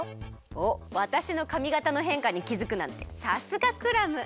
おっわたしのかみがたのへんかにきづくなんてさすがクラム！